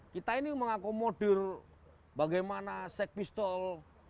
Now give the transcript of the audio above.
kita ini mengakomodir bagaimana sek pistol